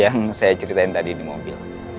yang saya ceritain tadi di mobil